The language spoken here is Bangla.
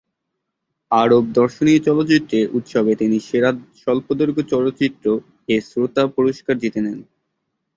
আরব দর্শনীয় চলচ্চিত্র উৎসবে তিনি "সেরা স্বল্পদৈর্ঘ্য চলচ্চিত্র"-এ শ্রোতা পুরস্কার জিতে নেন।